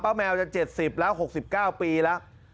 แมวจะ๗๐แล้ว๖๙ปีแล้ว